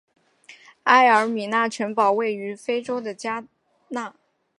埃尔米纳城堡位于非洲的加纳。